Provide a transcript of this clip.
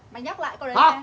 mày nhắc lại con đấy